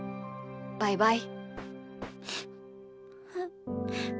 バイバイ。